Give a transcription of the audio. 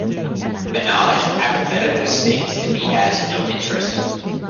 Manoj apathetically states that he has no interest.